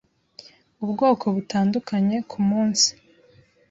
ubwoko butandukanye ku munsi